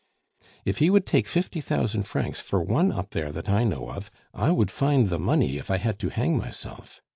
"If he would take fifty thousand francs for one up there that I know of, I would find the money if I had to hang myself.